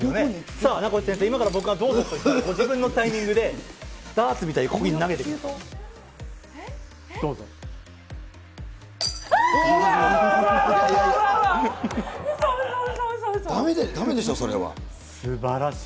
さあ、名越先生、今から僕がどうぞと言ったら、ご自分のタイミングで、ダーツみたいにここに投げてください。